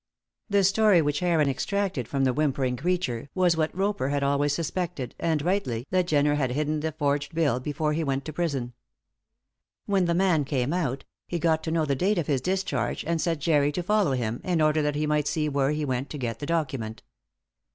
The story which Heron extracted from the whimpering creature was this Roper had always suspected, and rightly, that Jenner had hidden the forged bill before he went to prison. When the man came out, he got to know the date of his discharge, and set Jerry to follow him in order that he might see where he went to get the document.